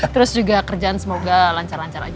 terus juga kerjaan semoga lancar lancar aja